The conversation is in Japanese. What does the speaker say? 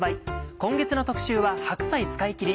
今月の特集は「白菜使いきり！」。